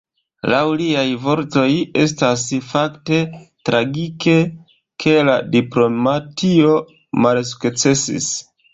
Laŭ liaj vortoj estas "fakte tragike, ke la diplomatio malsukcesis.